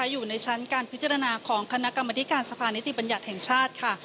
อยู่ในชั้นการพิจารณาของคณะกรรมธิการสภานิติบัญญัติแห่งชาติค่ะ